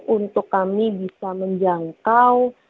untuk kami bisa menjangkau